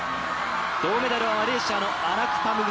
銅メダルはマレーシアのアナクパムグ。